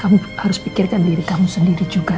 kamu harus pikirkan diri kamu sendiri juga